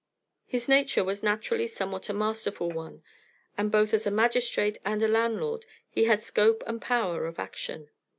His nature was naturally somewhat a masterful one, and both as a magistrate and a landlord he had scope and power of action.